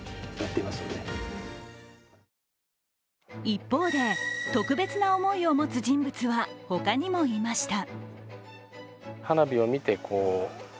一方で、特別な思いを持つ人物は他にもいました。